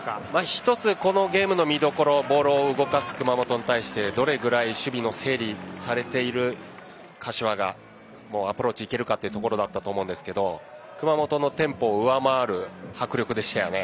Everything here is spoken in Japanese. １つこのゲームの見どころボールを動かす熊本に対してどれぐらい守備の整理がされている柏がアプローチにいけるかでしたが熊本のテンポを上回る迫力でしたよね。